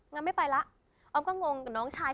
งั้นไม่ไปแล้วออมก็งงกับน้องชาย